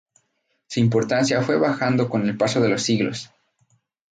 Su importancia fue bajando con el paso de los siglos.